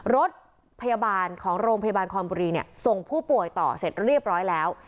รถพยาบาลของโรงพยาบาลคอนบุรีส่งผู้ป่วยต่อเสร็จเรียบร้อยแล้ว